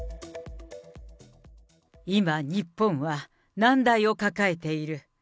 今、日本は、難題を抱えている。